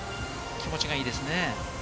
気持ちがいいですね。